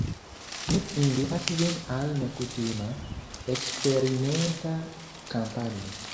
Ni invitas vin al nekutima, eksperimenta kampanjo.